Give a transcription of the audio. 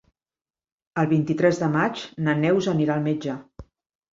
El vint-i-tres de maig na Neus anirà al metge.